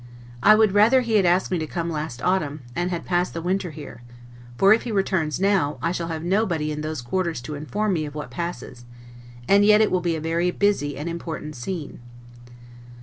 I would rather he had asked me to come last autumn, and had passed the winter here; for if he returns now, I shall have nobody in those quarters to inform me of what passes; and yet it will be a very busy and important scene."